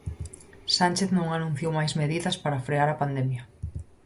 Sánchez non anunciou máis medidas para frear a pandemia.